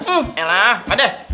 eh lah aduh